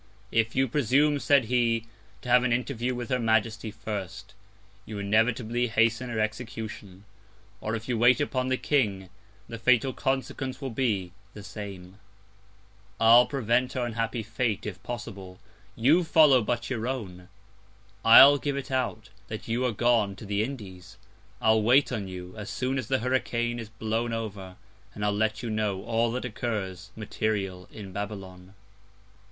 If you presume, said he, to have an Interview with her Majesty first, you inevitably hasten her Execution; or if you wait upon the King, the fatal Consequence will be the same: I'll prevent her unhappy Fate, if possible; you follow but your own: I'll give it out, that you are gone to the Indies: I'll wait on you as soon as the Hurricane is blown over, and I'll let you know all that occurs material in Babylon.